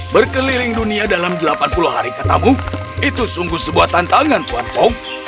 berkeliling dunia dalam delapan puluh hari ketemu itu sungguh sebuah tantangan tuan fong